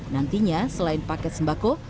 nantinya selain paket sembako